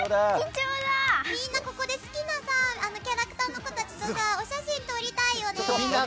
みんなここで好きなキャラクターの子たちとお写真撮りたいよね。